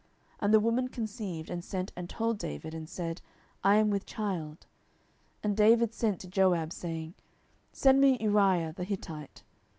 10:011:005 And the woman conceived, and sent and told David, and said, I am with child. 10:011:006 And David sent to Joab, saying, Send me Uriah the Hittite.